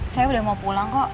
saya udah mau pulang kok